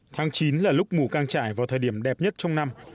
tháng chín là lúc mù căng trải vào thời điểm đẹp nhất trong năm